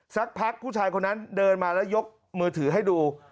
ซักพักผู้ชายคนมาละยกมือถือให้ดู